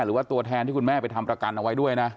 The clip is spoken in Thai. หรือว่าตัวแทนที่คุณแม่ไปทำประกันเอาไว้ด้วยนะ